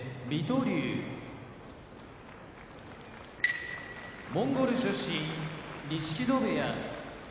龍モンゴル出身錦戸部屋